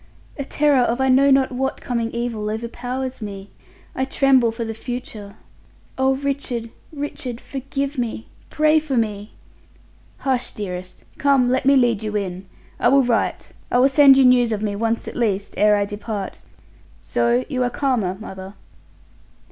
"A terror of I know not what coming evil overpowers me. I tremble for the future. Oh, Richard, Richard! Forgive me! Pray for me." "Hush, dearest! Come, let me lead you in. I will write. I will send you news of me once at least, ere I depart. So you are calmer, mother!"